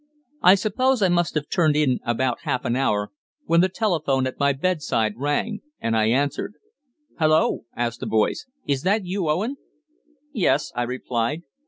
I suppose I must have turned in about half an hour, when the telephone at my bedside rang, and I answered. "Hulloa!" asked a voice. "Is that you, Owen?" "Yes," I replied.